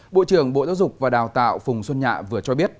bộ trưởng bộ giáo dục và đào tạo phùng xuân nhạ vừa cho biết